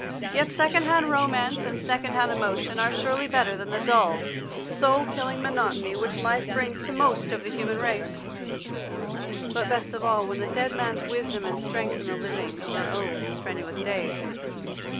Yet second hand romance and second hand emotion are surely better than the dull, soul killing monotony which life brings to most of the human race. But best of all when the dead man's wisdom and the dead man's example give us guidance and strength and in the living of our own strenuous days.